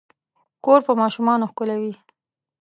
کور په ماشومانو ښکلے وي